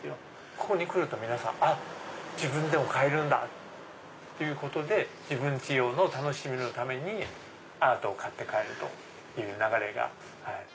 ここに来ると皆さん自分でも買えるんだ！っていうことで自分家用の楽しみのためにアートを買って帰るという流れが。